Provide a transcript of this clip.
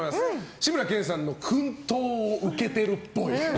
志村けんさんの薫陶を受けてるっぽい。